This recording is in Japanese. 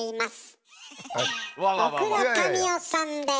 奥田民生さんです。